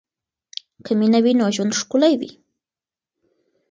که مینه وي نو ژوند ښکلی وي.